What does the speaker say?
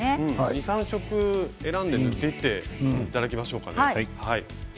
２、３色選んで塗っていただきましょうか。